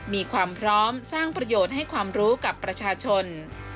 มีความพร้อมสร้างประโยชน์ให้ความรู้กับประชาชน